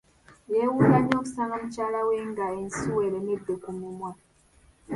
Yewuunya nnyo okusanga mukyala we nga ensuwa eremedde ku mumwa.